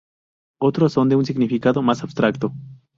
Otros son de un significado más abstracto.